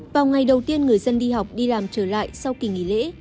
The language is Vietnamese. vào ngày đầu tiên người dân đi học đi làm trở lại sau kỳ nghỉ lễ